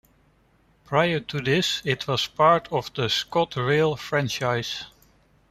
Prior to this it was part of the ScotRail franchise.